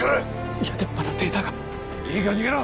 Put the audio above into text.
いやでもまだデータがいいから逃げろ！